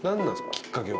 きっかけは。